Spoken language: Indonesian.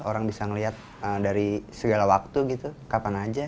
orang bisa ngeliat dari segala waktu gitu kapan aja